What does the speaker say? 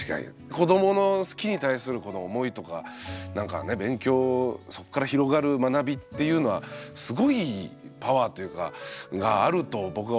子どもの好きに対するこの思いとかなんかね勉強そっから広がる学びっていうのはすごいパワーというかがあると僕は思うんで。